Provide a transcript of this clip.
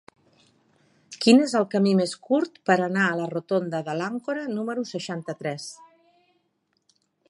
Quin és el camí més curt per anar a la rotonda de l'Àncora número seixanta-tres?